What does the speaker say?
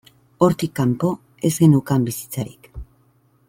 Hortik kanpo, ez geneukan bizitzarik.